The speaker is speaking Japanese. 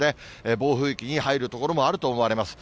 暴風域に入る所もあると思われます。